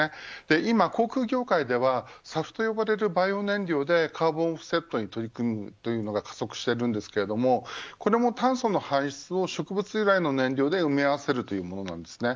今、航空業界ではＳＡＦと呼ばれるバイオ燃料でカーボンオフセットに取り組むというのが加速していますが炭素の排出を植物由来の燃料で埋め合わせるというものです。